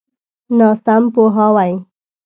ناسم پوهاوی.